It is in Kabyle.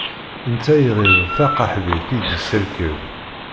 Netta iɣil d taqaḥbit i d-yesserkeb.